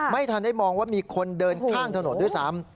ไม่ทันได้มองว่ามีคนเดินข้ามถนนด้วยซ้ำ